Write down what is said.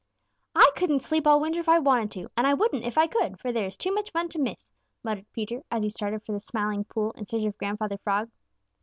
"I couldn't sleep all winter if I wanted to, and I wouldn't if I could, for there is too much fun to miss," muttered Peter, as he started for the Smiling Pool in search of Grandfather Frog.